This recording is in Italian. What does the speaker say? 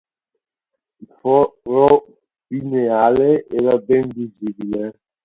Il foro pineale era ben visibile.